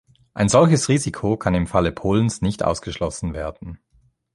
Ein solches Risiko kann im Falle Polens nicht ausgeschlossen werden.